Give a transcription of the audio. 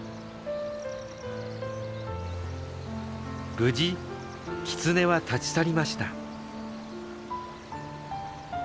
無事キツネは立ち去りました。